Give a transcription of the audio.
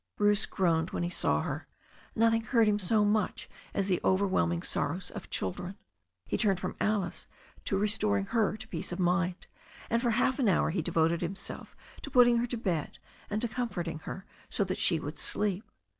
Bruce groaned when he saw her. Nothing hurt him so much as the overwhelming sorrows of children. He turned from Alice to restoring her to peace of mind, and for half an hour he devoted himself THE STORY OF A NEW ZEALAND RIVER 197 to putting her to bed, and to comforting her so that she would sleep.